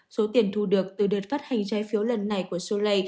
số tiền thu được từ đợt phát hành trái phiếu lần này của sơn lề